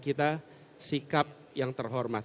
kita sikap yang terhormat